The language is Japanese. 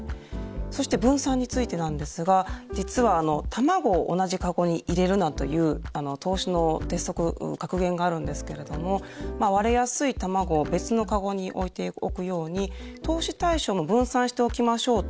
そして分散についてなんですが実は「卵を同じ籠に入れるな」という投資の鉄則格言があるんですけれどもまあ割れやすい卵を別の籠に置いておくように投資対象も分散しておきましょうという考えです。